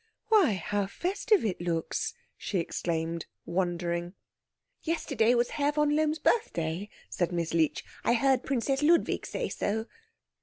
"Why, how festive it looks," she exclaimed, wondering. "Yesterday was Herr von Lohm's birthday," said Miss Leech. "I heard Princess Ludwig say so."